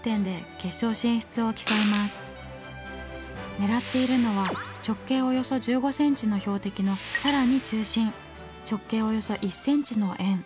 狙っているのは直径およそ１５ｃｍの標的の更に中心直径およそ１ｃｍの円。